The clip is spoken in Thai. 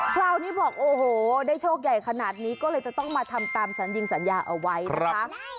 คราวนี้บอกโอ้โหได้โชคใหญ่ขนาดนี้ก็เลยจะต้องมาทำตามสัญญิงสัญญาเอาไว้นะคะ